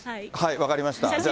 分かりました。